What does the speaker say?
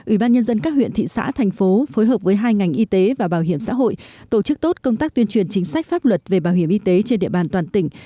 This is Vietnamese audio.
ủy ban nhân dân các huyện thị xã thành phố phối hợp với hai ngành y tế và bảo hiểm xã hội tổ chức tốt công tác tuyên truyền chính sách pháp luật về bảo hiểm y tế trên địa bàn toàn tỉnh